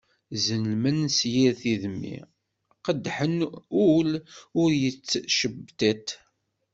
Zellmen s yir tidmi qeddḥen ul yettcebṭiṭ.